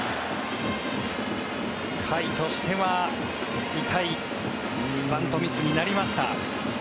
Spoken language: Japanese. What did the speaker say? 甲斐としては痛いバントミスになりました。